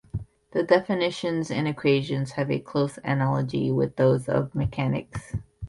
The definitions and equations have a close analogy with those of mechanics.